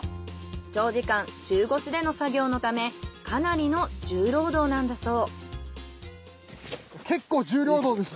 長時間中腰での作業のためかなりの重労働なんだそう。